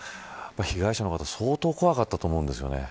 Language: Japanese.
被害者の方相当怖かったと思うんですよね。